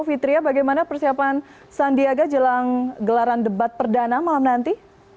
fitria bagaimana persiapan sandiaga jelang gelaran debat perdana malam nanti